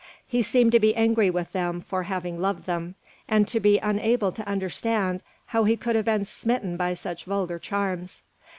He seemed to be angry with them for having loved them, and to be unable to understand how he could have been smitten by such vulgar charms.